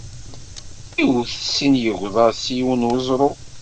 Iwet sin yegḍaḍ s yiwen weẓru.